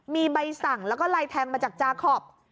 มีใบสั่งแล้วก็ลายแทงมาจากจาคอป